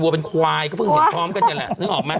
เป็นควายก็เพิ่งเห็นพร้อมกันเนี่ยแหละนึกออกไหม